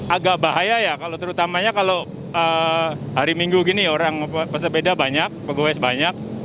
agak bahaya ya kalau terutamanya kalau hari minggu gini orang pesepeda banyak pegawai sebanyak banyak